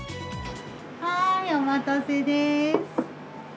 はーい、お待たせでーす。